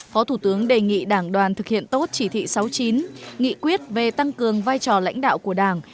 phó thủ tướng đề nghị đảng đoàn thực hiện tốt chỉ thị sáu mươi chín nghị quyết về tăng cường vai trò lãnh đạo của đảng